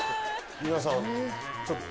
皆さん